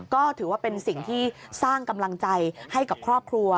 ก็ถือว่าเป็นสิ่งที่สร้างกำลังใจให้กับครอบครัว